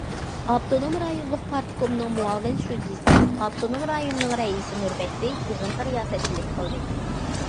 ئاپتونوم رايونلۇق پارتكومنىڭ مۇئاۋىن شۇجىسى، ئاپتونوم رايوننىڭ رەئىسى نۇر بەكرى يىغىنغا رىياسەتچىلىك قىلدى.